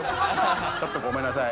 ちょっとごめんなさい